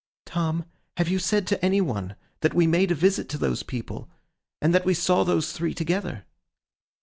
'Tom, have you said to any one that we made a visit to those people, and that we saw those three together?